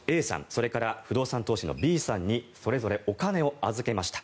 それから不動産投資のＢさんにそれぞれお金を預けました。